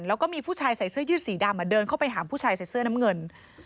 แล้วก็มีผู้ชายใส่เสื้อยืดสีดำเดินเข้าไปหาผู้ชายใส่เสื้อน้ำเงิน